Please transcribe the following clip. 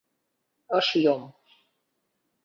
Ыш йом.